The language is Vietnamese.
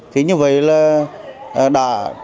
thì như vậy là